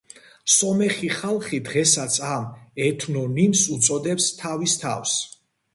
სომეხი ხალხი დღესაც ამ ეთნონიმს უწოდებს თავის თავს.